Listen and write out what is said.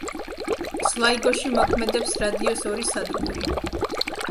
სლაიგოში მოქმედებს რადიოს ორი სადგური.